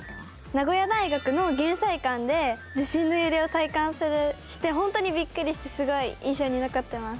名古屋大学の減災館で地震の揺れを体感して本当にびっくりしてすごい印象に残ってます。